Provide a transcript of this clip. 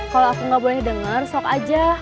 kalo aku gak boleh denger sok aja